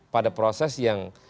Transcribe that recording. pada proses yang